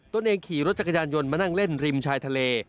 ตัวเองขี่รถจักรยานยนต์มานั่งเล่นริมชายทะเล